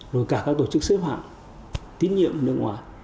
rồi cả các tổ chức xếp hạng tín nhiệm nước ngoài